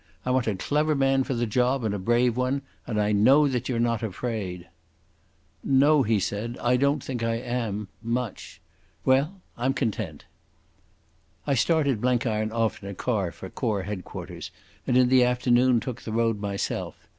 I want a clever man for the job and a brave one, and I know that you're not afraid." "No," he said. "I don't think I am—much. Well. I'm content!" I started Blenkiron off in a car for Corps Headquarters, and in the afternoon took the road myself.